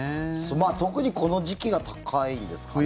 特にこの時期が高いんですかね。